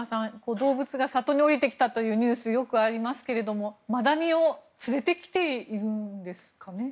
動物が里に下りてきたというニュースよくありますけれど、マダニを連れてきているんですかね。